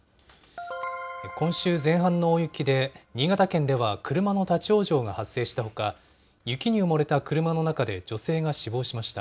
今週前半の大雪で、新潟県では車の立往生が発生したほか、雪に埋もれた車の中で女性が死亡しました。